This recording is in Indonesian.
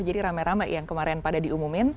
jadi rame rame yang kemarin pada diumumin